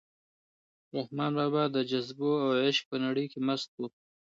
رحمان بابا د جذبو او عشق په نړۍ کې مست و.